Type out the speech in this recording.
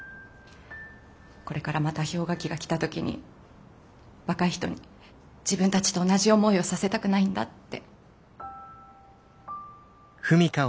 これからまた氷河期が来た時に若い人に自分たちと同じ思いをさせたくないんだって。